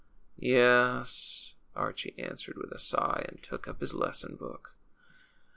Yes," Archie answered, with a sigh, and took up his lesson book.